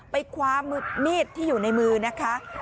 ไปคว้ามีดที่อยู่ในมือนะคะ